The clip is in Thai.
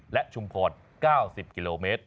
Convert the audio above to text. และชุมพร๙๐กิโลเมตร